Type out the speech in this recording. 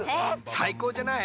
さいこうじゃない。